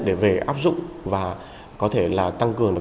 để về áp dụng và có thể tăng cường